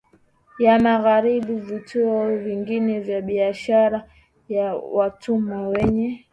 ya Magharibi Vituo vingine vya biashara ya watumwa kwenye